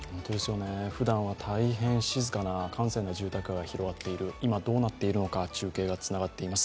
ふだんは大変静かな閑静な住宅街が広がっている今どうなっているのか中継がつながっています。